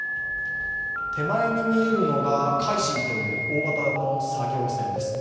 手前に見えるのが「海進」という大型の作業船です。